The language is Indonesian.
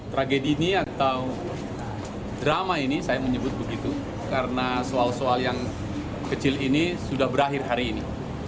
tragedi ini atau drama ini saya menyebut begitu karena soal soal yang kecil ini sudah berakhir hari ini